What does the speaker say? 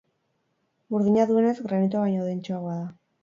Burdina duenez, granitoa baino dentsoagoa da.